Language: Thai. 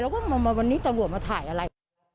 เราก็ว่าวันนี้จะว่ามาถ่ายอะไร